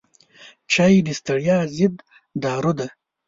چای د ستړیا ضد دارو دی.